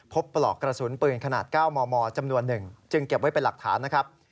ปลอกกระสุนปืนขนาด๙มมจำนวน๑จึงเก็บไว้เป็นหลักฐานนะครับ